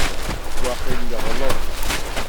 Waqil yeɣleḍ.